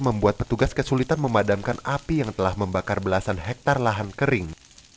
membuat petugas kesulitan memadamkan api yang telah membakar belasan hektare lahan kering